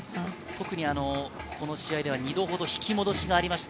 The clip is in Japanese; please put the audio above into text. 特にこの試合では２度ほど引き戻しがありました。